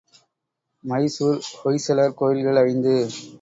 மைசூர் ஹொய்சலர் கோயில்கள் ஐந்து.